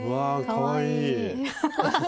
かわいい！